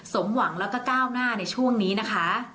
สมหวังแล้วก็ก้าวหน้าในช่วงนี้นะคะ